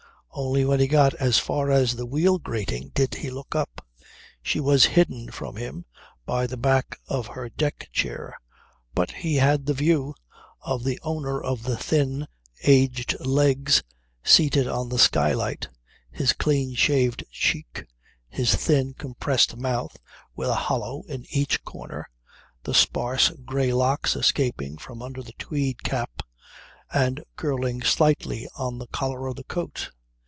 Only when he got as far as the wheel grating did he look up. She was hidden from him by the back of her deck chair; but he had the view of the owner of the thin, aged legs seated on the skylight, his clean shaved cheek, his thin compressed mouth with a hollow in each corner, the sparse grey locks escaping from under the tweed cap, and curling slightly on the collar of the coat.